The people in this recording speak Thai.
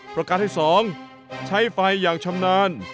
ประการที่๒ใช้ไฟอย่างชำนาญ